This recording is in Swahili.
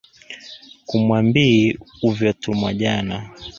Kumwambii uvyotumwajana.